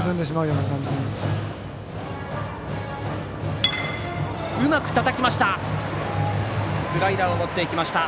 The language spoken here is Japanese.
うまくたたきました。